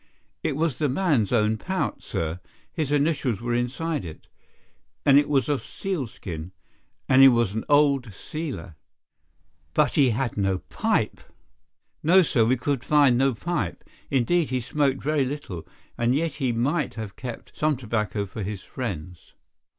"It was the man's own pouch, sir. His initials were inside it. And it was of sealskin,—and he was an old sealer." "But he had no pipe." "No, sir, we could find no pipe. Indeed, he smoked very little, and yet he might have kept some tobacco for his friends."